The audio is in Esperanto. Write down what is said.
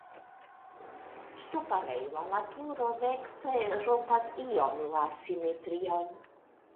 Ŝtuparejo al la turo dekstre rompas iom la simetrion.